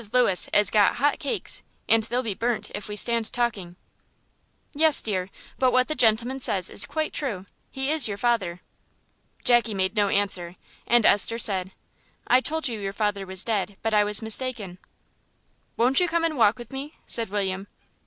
Lewis 'as got hot cakes, and they'll be burnt if we stand talking." "Yes, dear, but what the gentleman says is quite true; he is your father." Jackie made no answer, and Esther said, "I told you your father was dead, but I was mistaken." "Won't you come and walk with me?" said William.